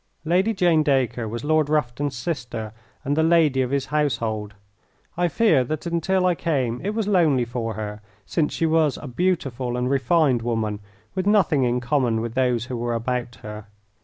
Lady Jane Dacre was Lord Rufton's sister and the lady of his household. I fear that until I came it was lonely for her, since she was a beautiful and refined woman with nothing in common with those who were about her.